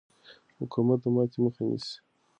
مقاومت د ماتې مخه نیسي.